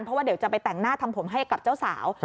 เพราะว่าเดี๋ยวจะไปแต่งหน้าทำผมให้กับเจ้าสาว